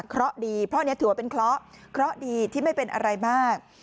เพราะดีเพราะอันนี้ถือว่าเป็นเคราะห์เคราะห์ดีที่ไม่เป็นอะไรมาก